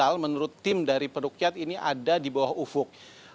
karena menurut tim dari peruk yat ini ada di bawah ufuk